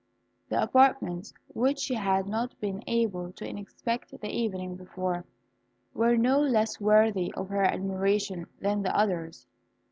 The apartments which she had not been able to inspect the evening before, were no less worthy of her admiration than the others.